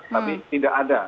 tapi tidak ada